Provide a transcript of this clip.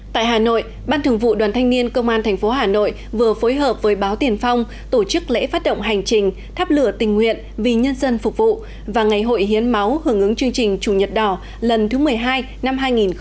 tại hà nội ban thường vụ đoàn thanh niên công an tp hà nội vừa phối hợp với báo tiền phong tổ chức lễ phát động hành trình tháp lửa tình nguyện vì nhân dân phục vụ và ngày hội hiến máu hưởng ứng chương trình chủ nhật đỏ lần thứ một mươi hai năm hai nghìn hai mươi